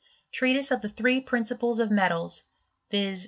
Treatise of the three Principles of Metals ; yix.